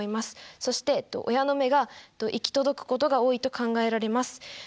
そして親の目が行き届くことが多いと考えられます。